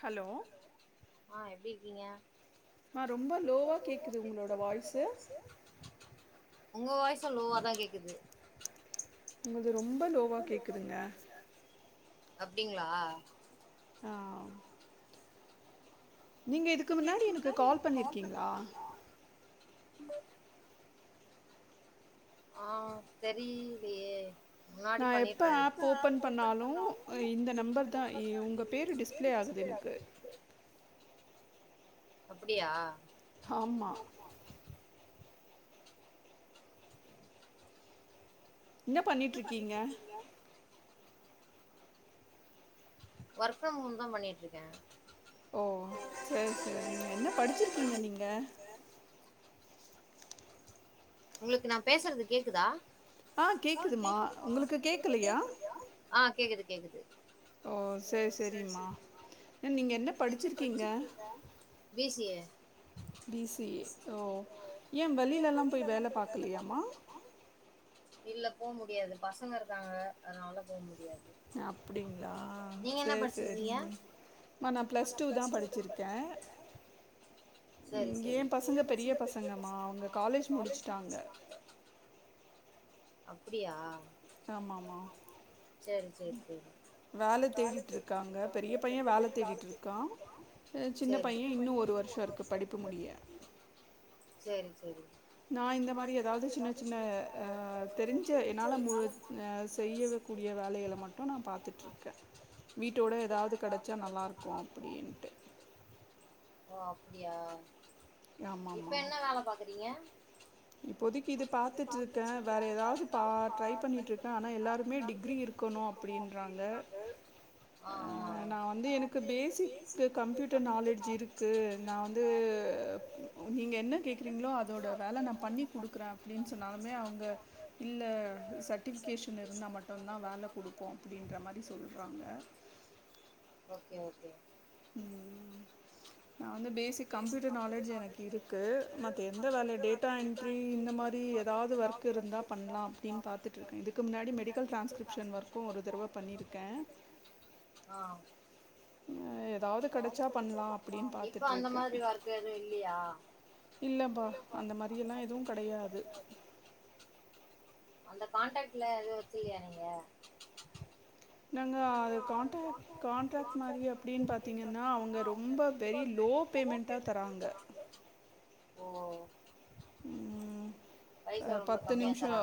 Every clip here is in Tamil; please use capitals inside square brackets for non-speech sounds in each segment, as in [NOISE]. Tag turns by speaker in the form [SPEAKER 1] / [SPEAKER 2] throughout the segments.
[SPEAKER 1] ஹலோ
[SPEAKER 2] [UNINTELLIGIBLE]
[SPEAKER 1] ஆஹ் ரொம்ப லோவா கேக்குது உங்களோட வாய்ஸு
[SPEAKER 2] உங்க வாய்சும் லோவாதான் கேக்குது
[SPEAKER 1] உங்கது ரொம்ப லோவா கேக்குதுங்க
[SPEAKER 2] அப்டிங்களா
[SPEAKER 1] ஆஹ் நீங்க இதுக்கு முன்னாடி எனக்கு கால் பண்ணிருக்கீங்களா
[SPEAKER 2] [INAUDIBLE] ஆஹ் தெரியலையே முன்னாடி பண்ணிருப்பேன் அப்டியா
[SPEAKER 1] ஆமா என்ன பண்ணிட்டுருக்கீங்க
[SPEAKER 2] ஒர்க் ஃப்ரம் ஹோம் தான் பண்ணிட்டு இருக்கேன்
[SPEAKER 1] ஓ சரி சரிங்க என்ன படிச்சிருக்கீங்க நீங்க
[SPEAKER 2] உங்களுக்கு நான் பேசுறது கேக்குதா ஆஹ் கேக்குது கேக்குது
[SPEAKER 1] ஓ சரி சரிம்மா நீங்க என்ன படிச்சிருக்கீங்க
[SPEAKER 2] B C A
[SPEAKER 1] B C A ஏன் வெளியிலே எல்லாம் போய் வேலை பாக்க
[SPEAKER 2] பாக்கலையா [INAUDIBLE] இல்ல போக முடியாது பசங்க இருக்காங்க அதனால போக முடியாது
[SPEAKER 1] அப்படிங்களா சரி சரிங்கம்மா நான் பிளஸ் டூ தான் படிச்சிருக்கேன் ஏ பசங்க பெரிய பசங்கம்மா அவங்க காலேஜ் முடிச்சுட்டாங்க இ [INAUDIBLE]
[SPEAKER 2] அப்படியா சரி சரி ஸஸ் [UNINTELLIGIBLE] சரி [INAUDIBLE]
[SPEAKER 1] நான் இந்த மாதிரி ஏதாவது சின்ன சின்ன தெரிஞ்ச என்னால் முழு செய்யக்க கூடிய வேலைகளை மட்டும் நான் பார்த்துட்டுருக்கேன் வீட்டோட ஏதாவது கிடைச்சா நல்லாஇருக்கும் அப்படின்ட்டு
[SPEAKER 2] ஓ அப்படியா இப்ப என்ன வேலை பாக்குறீங்க
[SPEAKER 1] இப்போதைக்கு இது பாார்த்தட்டு இருக்கேன் வேற ஏதாவது பா ட்ரை பண்ணிட்டு இருக்கேன் ஆனா எல்லாருமே டிகிரி இருக்கணும் அப்படின்றாங்க நான் வந்து எனக்கு பேசிக் கம்ப்யூட்டர் நாலேடஜ் இருக்கு நான் வந்து நீங்க என்ன கேக்குறீங்களோ அதோட வேலை பண்ணி் கொடுக்குறேன் அப்படின்னு சொன்னாலுமே அவங்க இல்லை சர்ட்டிஃபிகேஷன் இருந்தா மட்டும்தான் வேலை கொடுப்போம் அப்படின்ற மாதிரி சொல்றாங்க அது பேசிக் கம்யட்டர் நாலஜ் எனக்கு இருக்கு மத்த எந்த வேலை டேட்டா என்ட்ரி இந்த மாதிரி ஏதாவது ஒர்க் இருந்தா பண்ணலாம் அப்படின்னு பாத்துட்டு இருக்கேன் இதுக்கு முன்னாடி மெடிக்கல் ட்ரான்ஸ்கிரிப்ஷன் ஒர்கும் ஒரு தடவை பண்ணிருக்கேன்
[SPEAKER 2] இப்ப அந்த மாதிரி வஒர்க் எதுவும் இல்லையா
[SPEAKER 1] அப்டியெல்லாம் எதுவும் கிடையாது
[SPEAKER 2] அந்த கான்டாக்ட்ல எது வெசில்லையா நீங்க
[SPEAKER 1] நாங்க அதை காண்ட்க் கான்ட்ராக்ட் மாதிரி அப்படின்னு பார்த்தீங்கன்னா அவங்க ரொம்ப வெரி லோ பேமெண்ட்டா தராங்க
[SPEAKER 2] ஓ
[SPEAKER 1] உம் பத்து நிமிஷம்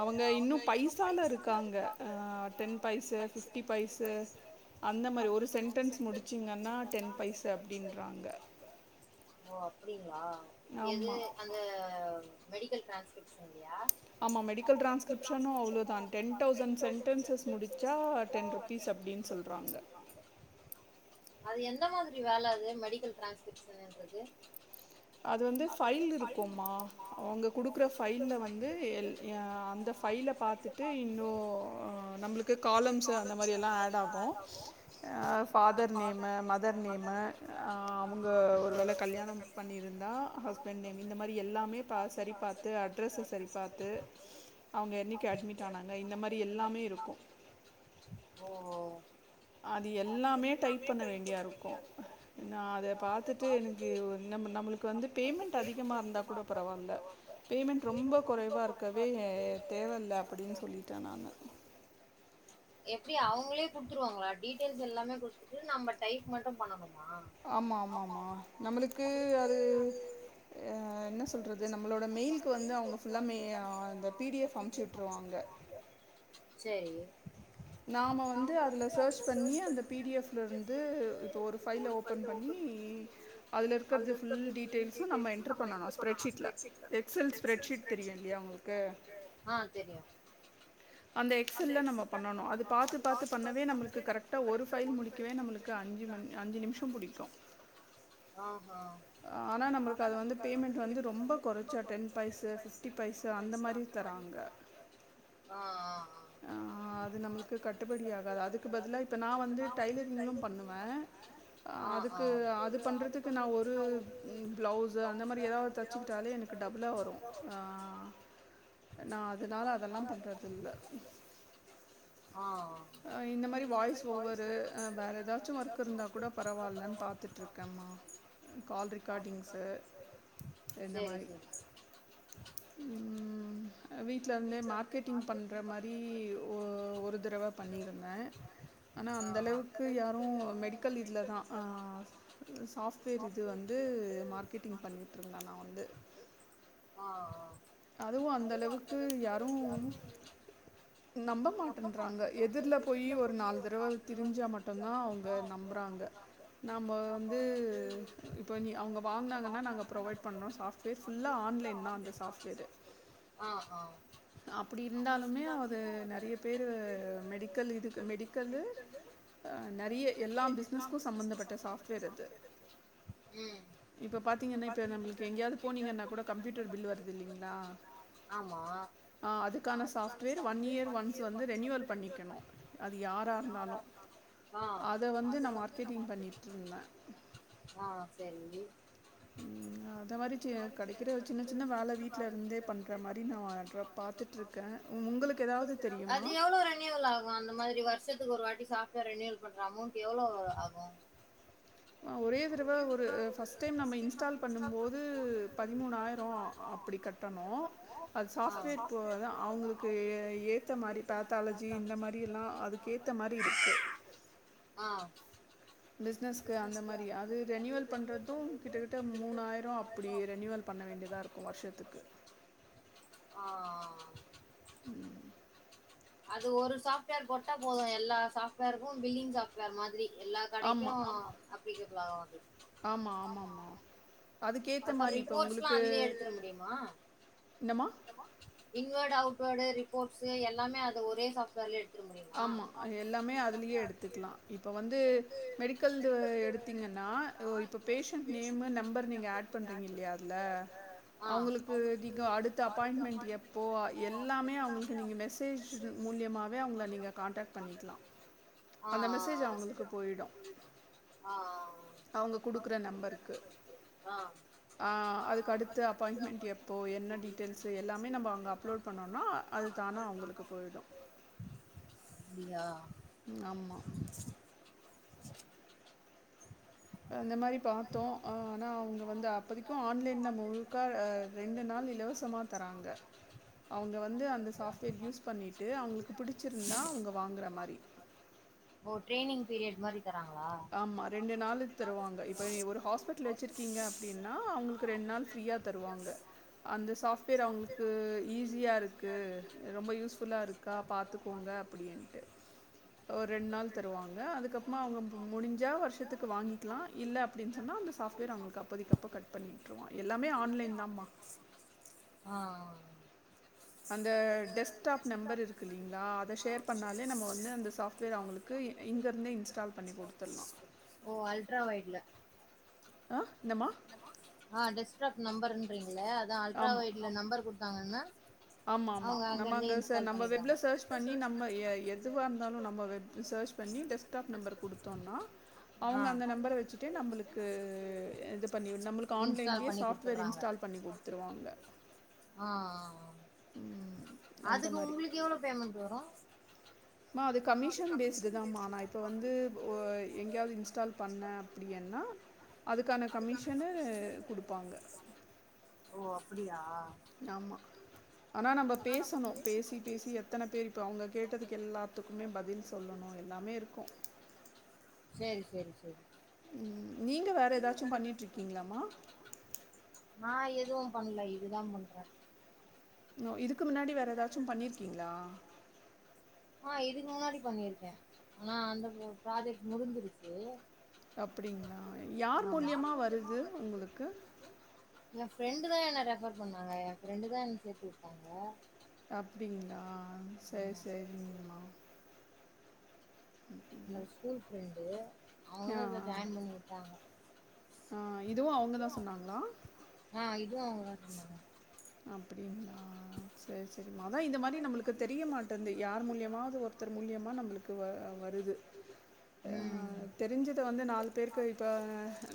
[SPEAKER 1] அவங்க இன்னும் பைசால இருக்காங்கஹ டென் பைசை பிப் பிப்டி பைசு அந்த மாதிரி ஒரு சென்டன்ஸ் முடிச்சிங்கன்னா டென் பைசு அப்படின்றாங்க
[SPEAKER 2] ஓ அப்படி வ எது அந்த மெடில்டிரான்ஸகிரிப்ஷன் இல்லையா கா
[SPEAKER 1] ஆமா மெடிக்கல் டிரான்ஸ்கிரிப்ஷனும் அவ்ளோதான் டென்தௌசண்ட் சென்டன்சஸ் முடிச்சா டென் ருப்பீஸ் அப்படின்னு சொல்கிறாங்க
[SPEAKER 2] அது எந்த மாதிரி வேலை அது மெடிக்கல் டிரான்ஸஷன்ன்றது
[SPEAKER 1] அது வந்து பைல் இருக்கும்மா அவங்க குடுக்குற பைல வந்து அந்த ஃபைல் ல பாத்தட்டு இன்னும் நம்மளுக்கு கொலம்சு அந்த மாதிரி எல்லாம் ஆட் ஆகும் ஃபாதர் நேமு மதர் நேமு அவங்க ஒரு வேளை கல்யாணம் இருந்த அப்ப இந்த எல்லாமே சரிபார்த்து அட்ரஸ் சரி பார்த்து அவங்க என்க்கு அட்மிட் ஆனாங்க இந்த மாதிரி எல்லாமே இருக்கும்
[SPEAKER 2] ஓ
[SPEAKER 1] அது எல்லாமே டைப் பண்ண வேண்டியா இருக்கு அத பார்த்தட்டு எனக்கு நம் நம்மளுக்கு வந்து பேமெண்ட் அதிகமா இருந்தா கூட பரவாயில்ல பேமெண்ட் ரொம்ப குறைவா இருக்கவே தேவையில்லா அப்படின்னு சொல்லிட்டே நானு
[SPEAKER 2] எப்டி அவங்களே குடுத்துருவாங்களா டீட்டெயில்ஸ் எல்லாமே குடுத்துட்டு நம்ம டைப் மட்டும் பண்ணணு
[SPEAKER 1] ஆமா ஆமா மா நம்மளுக்கு அது ஆ என்ன சொல்றது நம்மளோட மெயில்கு வந்து அவூங்க புள்ளமே பிடிஎப் அனுப்சிவிட்டுருவாங்க
[SPEAKER 2] ஆ தெரியு
[SPEAKER 1] அந்த எக்ஸல நம்ம பண்ணனு அத பாத்து பாத்து பண்ணவே நம்மளுக்கு கரெக்டா ஒரு பைல் முடிக்கவே நம்மளுக்கு அஞ்சு அஞ்சு நிமிஷோ பிடிக்கூ
[SPEAKER 2] ஆ ஆ ஆ
[SPEAKER 1] ஆ அது நம்பளுக்கு கட்டுப்படி ஆகாது அதுக்கு பதிலாக இப்போ நா வந்து டைலரிஙகும் பண்ணுவே அதுக்கு அது பண்ணுறதுக்கு நான் ஒரு ப்ளவுஸு அந்த மாரி ஏதாவது தைச்சுக்கிட்டாலே எனக்கு டபுளாக வரும் ஆ நா அதனால அதெல்லாம் பண்றதில்ல ஆ இந்த மாரி வாய்ஸ் ஓவரு வேற ஏதாச்சும் ஒர்க் இருந்தா கூட பரவாயில்லன்னு பாாரத்துட்டு இருக்கேன்ம்மா கால் ரக்கார்டிங்ஸூ இந்த மாரி உம் வீட்டிலேந்தே மார்க்கெட்டிங் பண் ஆ மாரி ஒ ஒரு தடவ பண்ணிருந்தே ஆனா அளவுக்கு யாரு மெடிக்கல் இதுல தா ஆ இது சாப்டுவேர இது வந்து மார்கெட்டிங் பண்ணிட்டு இருந்தே நா வந்து அதுவும் அந்த அளவுக்கு யார் ம் நம்ப மாட்டேறாங்க எதிரில போயி ஒரு நாலு தடவ திரிஞ்சா மட்டும்தா அவுங்க நம்புறாங்க நம்ம வந்து இப்ப நீ அவுங்க வாங்கினாங்கன்னா நாங்க ப்ரொவைட் பண்ணுறோம் சாஃப்ட்வேர் ஃபுல்லாக ஆன்லைன் தான் அந்த சாஃப்ட்வேர்
[SPEAKER 2] ஆ
[SPEAKER 1] அப்டி இருந்தாலுமே அது நிறைய பேரு மெடிக்கல் இதுக்கு மெடிக்கல்லு ஆ நெறையா எல்லா பிசினஸ்க்கும் சம்பந்தப்பட்ட சாஃப்ட்வேர் அது இப்ப பாத்தீங்கன்னா இப்ப நம்பளுக்கு எங்கேயாவது போனீங்கன்னா கூட கம்யூட்டர் பில் வருது இல்லைங்
[SPEAKER 2] ஆமா ஆ
[SPEAKER 1] உம் அத மாரி கெடைக்கிற சின்ன சின்ன வேல வீட்டுல இருந்தே பண்ற மாரி நா ஆ ரா பாத்துட்டு இருக்கே உங்களுக்கு ஏதாவது தெரியுமா
[SPEAKER 2] ததுக்கு ஒரு வாட்டி சாஃப்ட்ர் ரெனியூல் பண்ற அமௌண்ட் எவ்வளோ ஆகும்
[SPEAKER 1] ஒரே தடவ ஒரு பஸ்ட் டைம் நம்ம இன்ஸ்டால் பண்ணும் போது பதிமூணாயிரம் அப்படி கட்டணும் பஸ்
[SPEAKER 2] ஆ அது சாஃப்ட்வேர் போறது அவங்களுக்கு ஏத்த மாரி பேத்தாலஜி இந்த மாரி லா அதுக்கேத்த மாரி இருக்கு ஆ
[SPEAKER 1] பிசினஸ்க்கு அந்த மாரி அது ரெனுவல் பண்றதும் கிட்ட கிட்ட மூணாயிரம் அப்படி ரெனுவல் பண்ண வேண்டியதா இருக்கும் வருஷத்துக்கு
[SPEAKER 2] ஆ
[SPEAKER 1] உம்
[SPEAKER 2] அது ஒரு சாஃப்ட்வேர் போட்டா போதும் எல்லா சாஃப்ட்வேருக்கும் பில்டிிங் சாப்ட்வேர் மாதிரி எல்லா கடைக்கு அப் பி சி பி லா வாங்கு
[SPEAKER 1] ஆமா ஆமாம்ம அதுக்கேத்த மாரி இப்ப உங்களுக்கு என்னமா
[SPEAKER 2] இன்வேர்ட் அவுட் வேர்டு ரிப்போர்ட்ஸ் எல்லாமே அத ஒரே சாப்ஃட்வேர்ல எடுத்
[SPEAKER 1] ஆமா எல்லாமே அதுலயே எடுத்துக்லா இப்ப வந்து மெடிக்கல்து எடுத்தீங்கன்னா அ இப்ப பேஷண்ட் நேமு நம்பர் நீங்க ஆட் பண்றீங்க இல்லையா அதுல அவங்களுக்கு அதிக அடுத் த அப்பாயிண்மெண்ட் எப்போ எல்லாமே அவங்களுக்கு நீங்க மெசேஜ் மூலியமாவே அவங்கள நீங்க
[SPEAKER 2] ஆஹ் ஆஹ் ஆஹ் ஆஹ் ஆஹ்
[SPEAKER 1] அவுங்க குடுக்குற நம்பர்க்கு ஆ அதுக்கு அடுத்து அப்பாயின்மெண்ட் எப்போ என்ன டீட்டெ இப்ப எல்லாமே நம்ப அங்க அப்லோட் பண்ணனோ அது தானே அவங்களுக்கு போய்டு உம் ஆமா அந்த மாரிப் பாத்தோ அஹ் அனா அவுங்க வந்து அப்பதிக்கு ஆன்லைன்ல முழுக்கா ஆஹ் ரெண்டு நாள் இலவசமா தராங்க அவுங்க வந்து அந்த சாஃப்ட்வேர் யூஸ் பண்ணிட்டு அவுங்களுக் பிடிச்சுருந்தா அவுங்க வாங்குற மாரி
[SPEAKER 2] பீரியட் மாரி தராங்குளா
[SPEAKER 1] ஒரு ஹாஸ்பிட்டில் வெச்சிருக்கீங்க அப்டின்னா அவுங்குள்க்கு ரெண்டு நாள் ஃப்ரீயா தருவாங்க அந்த சாஃப்ட்வேர் அவுங்குளுக்கு ஈஸியா இருக்கு ரொம்ப யூஸ் ஃபுல்லா இருக்கா பாத்துக்கோங்க அப்பிடின்ட்டு ஓர் ரெண் நாள் தருவாங்க அதுக்கப்புறமா அவுங்க முடிஞ்சா வருஷத்துக்கு வாங்கிக்குலா இல்ல அப் அப்டின் சொன்னா அந்த சாஃப்ட்வேர் அவுங்குளுக் அப்பதிக்கப்ப கட் பண்ணி விட்ருவா எல்லாமே ஆன்லைன் தாம்மா
[SPEAKER 2] ஆஹ்ஹா
[SPEAKER 1] அந்த டெஸ்ட்டாப் நம்பர் இருக்குல்லீங்குளா அத ஷேர் பண்ணாலே நம்ம வந்து அந்த சாப்ட்வேர் அவுங்குளுக்கு இ இங்க இருந்தே இன்ஸ்டால் பண்ணி குடுத்துருலா அஹ் இன்னமா
[SPEAKER 2] நம்பருன்றீங் கல்ல அதா அல்ட்ரா வெயிட்லே நம்பர் குடுத் தாங்கன்னா
[SPEAKER 1] ஆமா ஆமா நம்ம அங்க ஷ நம்ம வெப்புல சார்ச் பண்ணி நம்ப எ எதுவா இருந்தாலு நம்ப வெப் சார்ச் பண்ணி டெஸ்டாப் நம்பர் குடுத்தோன்னா அவுங்க அந்த நம்பர வெச்சுட்டு நம்புளுக் க்கு இது பண்ணி நம்பளுக்கு ஆன்லைன்லயே சாஃப்ட்வேர் இன்ஸ்டால் பண்ணி குடுத்துருவாங்க
[SPEAKER 2] ஆ ஆஹ் அதுக்கு உங்குளுக் எவ்ளோ பேமெண்ட் வரு ஓ அப் அப்டியா
[SPEAKER 1] ஆமா அனா நம்ம பேசணு பேசி பேசி எத்தன பேர் இப்ப அவங்க கேட்டதுக்கு எல்லாத்துக் க்குமே பதில் சொல்லணு எல்லாமே இருக்கு
[SPEAKER 2] சேரி சேரி சேரி
[SPEAKER 1] ம் நீங்க வேற ஏதாச்சு பண்ணிட்டு இருக்கீங்களாமா
[SPEAKER 2] இதுவு பண்ணல இதுதா பண்றே
[SPEAKER 1] ஓ இதுக் க்கு முன்னாடி வேற ஏதாச்சு பண்ணிருக்கீங்ளா
[SPEAKER 2] ஆ இதுக் முன்னாடி பண்ணிருக்கே ஆனா அந்த ப்ராஜெக்ட் முடுஞ்ருச்சு
[SPEAKER 1] அப்பிடிங்கிளா யார் மூலியமா வருது உங்களுக்கு
[SPEAKER 2] எ ஃப்ரெண்டுதா என்ன ரெஃபர் பண்ணாங்க என் ஃப்ரெண்டுதா என் சேத்து விட்டாங்க
[SPEAKER 1] அப்டிங்களா ஆ சேர் சேரிங்கம்மா
[SPEAKER 2] என்னோட ஸ்கூல் ஃபிரெண்டு அவுங்கதா இதுல ஜாயின் பண்ணிவிட்டாங்க ஆ இது வச்
[SPEAKER 1] அப்டிங்களா செரி செரி அதா இந்த மாரி நம்மளுக்கு தெரிய மாட்டந்து யார் மூலயமாவது ஒருத்தர் மூலயமா நம்மளுக்கு வ வருது ஆ தெரிஞ்சத வந்து நாலு பேருக்கு இப்ப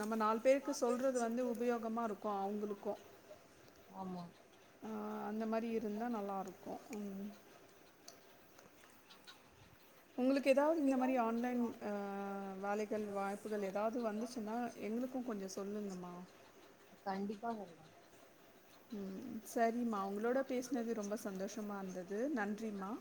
[SPEAKER 1] நம்ம நால் பேருக்கு சொல்றது வந்து உபயோகமா இருக்கோ அவ்களுக்கோ ஆ அந்த மாரி இருந்தா நல்லா இருக்கு
[SPEAKER 2] கண்டிப்பா வருவாங்க
[SPEAKER 1] ம் சரிம்மா உங்ளோட பேச்னது ரொம்ப சந்தோஷமா இருந்தது நன்றிமா